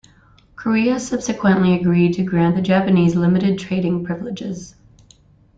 Korea subsequently agreed to grant the Japanese limited trading privileges.